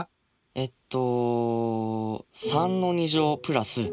えっと。